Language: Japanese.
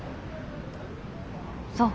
そう。